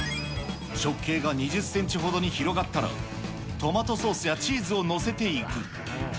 直径が２０センチほどに広がったら、トマトソースやチーズを載せていく。